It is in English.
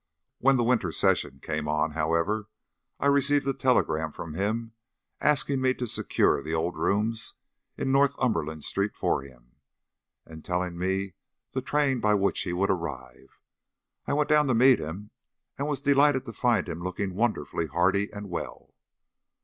When the winter session came on, however, I received a telegram from him, asking me to secure the old rooms in Northumberland Street for him, and telling me the train by which he would arrive. I went down to meet him, and was delighted to find him looking wonderfully hearty and well.